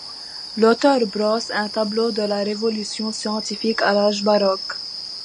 L'auteur brosse un tableau de la Révolution scientifique à l'âge baroque.